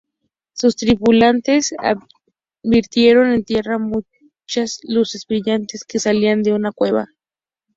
Sus tripulantes advirtieron en tierra muchas luces brillantes que salían de una cueva.